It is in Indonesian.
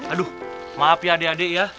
aduh maaf ya adek adek ya